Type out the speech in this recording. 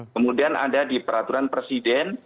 kemudian ada di peraturan presiden